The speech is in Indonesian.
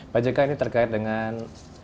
pak jk ini terkait dengan